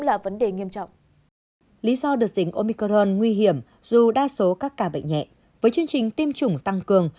là vấn đề nghiêm trọng lý do đợt dịch omicron nguy hiểm dù đa số các ca bệnh nhẹ với chương trình tiêm chủng tăng cường